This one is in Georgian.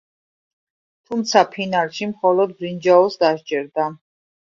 თუმცა ფინალში მხოლოდ ბრინჯაოს დასჯერდა.